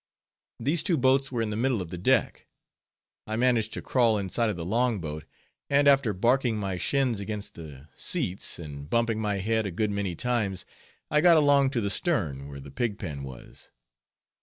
These two boats were in the middle of the deck. I managed to crawl inside of the long boat; and after barking my shins against the seats, and bumping my head a good many times, I got along to the stern, where the pig pen was.